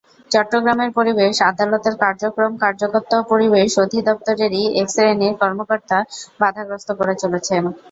চট্টগ্রামের পরিবেশ আদালতের কার্যক্রম কার্যত পরিবেশ অধিদপ্তরেরই একশ্রেণির কর্মকর্তা বাধাগ্রস্ত করে চলেছেন।